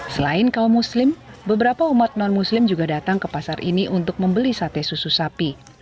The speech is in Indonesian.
selain kaum muslim beberapa umat non muslim juga datang ke pasar ini untuk membeli sate susu sapi